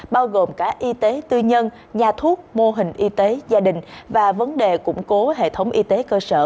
bao gồm cả y tế tư nhân nhà thuốc mô hình y tế gia đình và vấn đề củng cố hệ thống y tế cơ sở